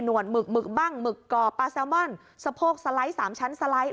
หมึกหมึกบ้างหมึกก่อปลาแซลมอนสะโพกสไลด์๓ชั้นสไลด์